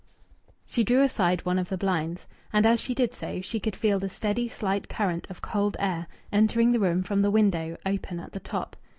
She drew aside one of the blinds, and as she did so she could feel the steady slight current of cold air entering the room from the window open at the top.